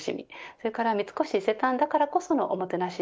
それから三越伊勢丹だからこそのおもてなし